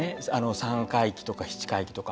３回忌とか７回忌とか。